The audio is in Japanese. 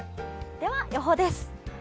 では、予報です。